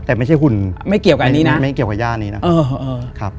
แต่ไม่ใช่หุ่นไม่เกี่ยวกับย่านนี้นะ